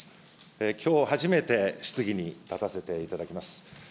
きょう初めて質疑に立たせていただきます。